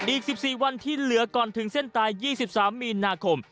อีก๑๔วันที่เหลือก่อนถึงเส้นตาย๒๓มีนาคม